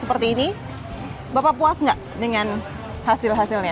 seperti ini bapak puas nggak dengan hasil hasilnya